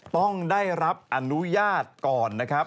ต้องได้รับอนุญาตก่อนนะครับ